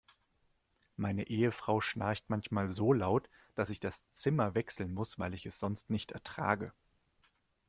Meine Ehefrau schnarcht manchmal so laut, dass ich das Zimmer wechseln muss, weil ich es sonst nicht ertrage.